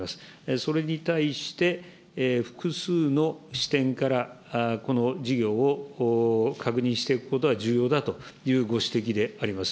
それに対して、複数の視点から、この事業を確認していくことが重要だというご指摘であります。